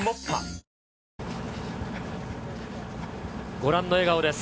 ご覧の笑顔です。